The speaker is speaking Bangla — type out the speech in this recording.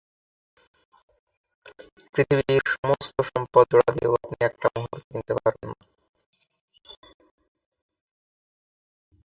সুবাদার ইসলাম খান তাদের পরাজিত করেন।